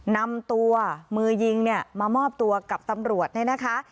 นำตัวมือยิงเนี่ยมามอบตัวกับตำรวจเนี่ยนะคะ